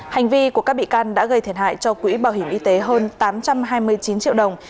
hành vi của các bị can đã gây thiệt hại cho quỹ bảo hiểm y tế hơn tám trăm hai mươi chín triệu đồng